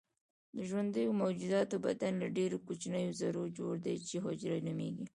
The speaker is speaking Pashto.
د ژوندیو موجوداتو بدن له ډیرو کوچنیو ذرو جوړ دی چې حجره نومیږي